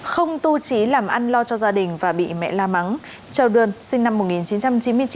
không tu trí làm ăn lo cho gia đình và bị mẹ la mắng trèo đơn sinh năm một nghìn chín trăm chín mươi chín